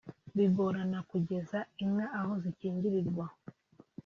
bigorana kugeza inka aho zikingirirwa